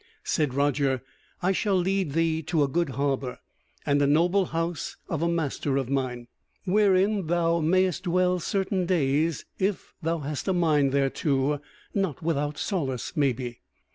Said Roger: "I shall lead thee to a good harbour, and a noble house of a master of mine, wherein thou mayst dwell certain days, if thou hast a mind thereto, not without solace maybe."